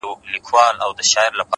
• د کرونا له تودې تبي څخه سوړ سو,